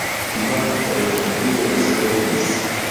Kvar el la kvin respondis.